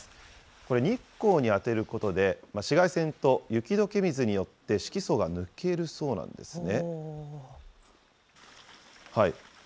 これ、日光に当てることで、紫外線と雪どけ水によって色素が抜けるそうなんですね。